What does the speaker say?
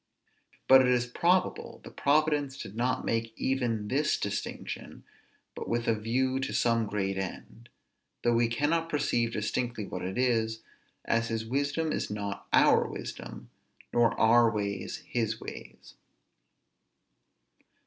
But it is probable that Providence did not make even this distinction, but with a view to some great end; though we cannot perceive distinctly what it is, as his wisdom is not our wisdom, nor our ways his ways.